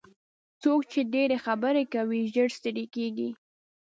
څوک چې ډېرې خبرې کوي ژر ستړي کېږي.